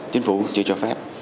chính phủ chưa cho phép